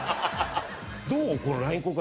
どう？